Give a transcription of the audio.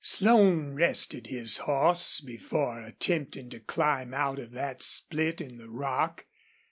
Slone rested his horse before attempting to climb out of that split in the rock.